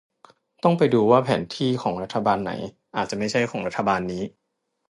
ต้องไปดูว่าแผนที่ของรัฐบาลไหน อาจไม่ใช่ของรัฐบาลนี้